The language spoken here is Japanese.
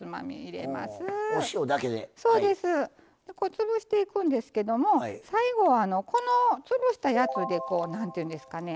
潰していくんですけども最後はこの潰したやつで何て言うんですかね